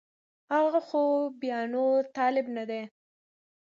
هغه خو بیا نور طالب نه دی